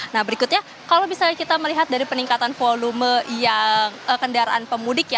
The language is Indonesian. nah berikutnya kalau misalnya kita melihat dari peningkatan volume yang kendaraan pemudik ya